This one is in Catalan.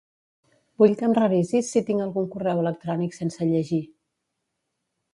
Vull que em revisis si tinc algun correu electrònic sense llegir.